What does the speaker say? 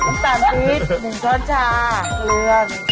กะปิย่างสุก